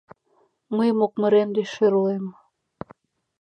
Мый мокмырем деч шӧрлем.